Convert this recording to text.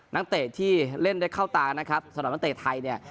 นักเตะที่เล่นได้เข้าตานะครับสำหรับนักเตะไทยเนี่ย